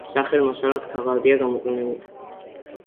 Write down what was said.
საწერ მასალად ქაღალდია გამოყენებული.